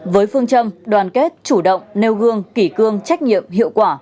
với phương châm đoàn kết chủ động nêu gương kỹ cư